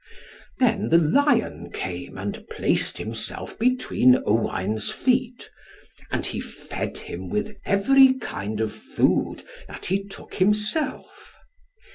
Then the lion came and placed himself between Owain's feet, and he fed him with every kind of food, that he took himself.